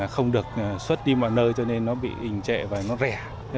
không được xuất đi mọi nơi cho nên nó bị đình trệ và nó rẻ